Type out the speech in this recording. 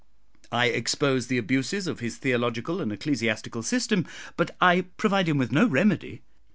I expose the abuses of his theological and ecclesiastical system, but I provide him with no remedy.